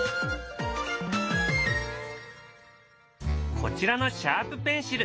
こちらのシャープペンシル。